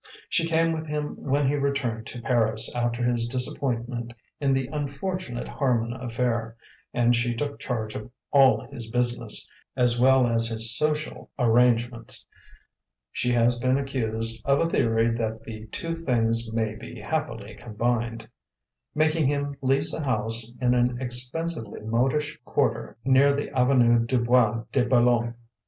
She came with him when he returned to Paris after his disappointment in the unfortunate Harman affair, and she took charge of all his business as well as his social arrangements (she has been accused of a theory that the two things may be happily combined), making him lease a house in an expensively modish quarter near the Avenue du Bois de Boulogne.